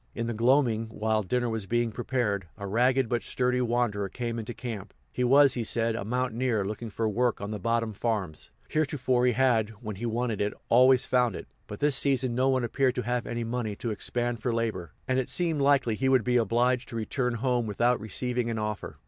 In the gloaming, while dinner was being prepared, a ragged but sturdy wanderer came into camp. He was, he said, a mountaineer looking for work on the bottom farms; heretofore he had, when he wanted it, always found it; but this season no one appeared to have any money to expend for labor, and it seemed likely he would be obliged to return home without receiving an offer.